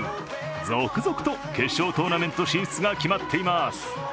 続々と決勝トーナメント進出が決まっています。